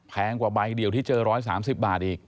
กว่าใบเดียวที่เจอ๑๓๐บาทอีก